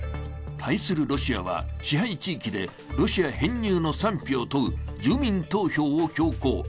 対するロシアは支配地域でロシア編入の賛否を問う住民投票を強行。